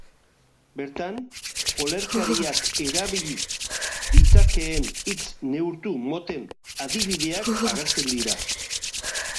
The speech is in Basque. Bertan, olerkariak erabil ditzakeen hitz neurtu moten adibideak agertzen dira.